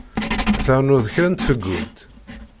Trennuḍ kra n tfeggunt?